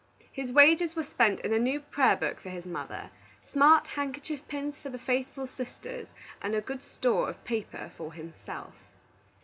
His wages were spent in a new prayer book for his mother, smart handkerchief pins for the faithful sisters, and a good store of paper for himself.